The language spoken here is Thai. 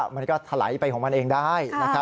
มันก็ถลายไปของมันเองได้